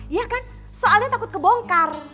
iya kan soalnya takut kebongkar